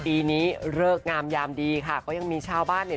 ปีนี้เลิกงามยามดีค่ะก็ยังมีชาวบ้านเนี่ย